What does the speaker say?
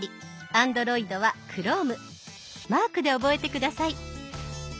マークで覚えて下さい。